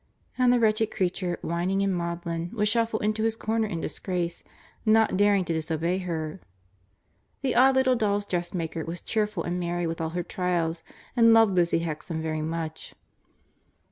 And the wretched creature, whining and maudlin, would shuffle into his corner in disgrace, not daring to disobey her. The odd little dolls' dressmaker was cheerful and merry with all her trials and loved Lizzie Hexam very much.